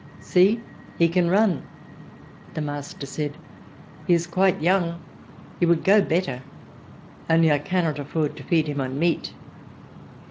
" See, he can run !" the master said ;" he is quite young. He would go better, only I cannot afiford to feed him on meat."